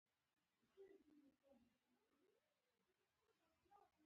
خپل مال ساته ګاونډي غل مه نیسه